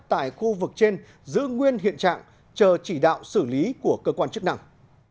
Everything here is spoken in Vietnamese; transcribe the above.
tại khu vực trên giữ nguyên hiện trạng chờ chỉ đạo xử lý của cơ quan chức năng